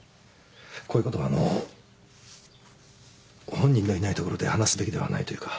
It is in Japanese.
こういうことはあのう本人のいないところで話すべきではないというか。